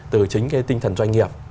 từ chính cái tinh thần doanh nghiệp